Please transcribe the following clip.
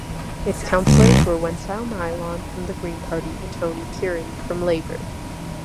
Its councillors are Wenslie Naylon from the Green Party and Tony Kearon from Labour.